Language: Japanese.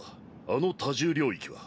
あの多重領域は。